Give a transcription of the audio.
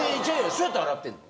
そうやって洗ってんの？